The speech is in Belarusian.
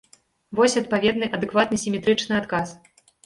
Вось адпаведны, адэкватны, сіметрычны адказ.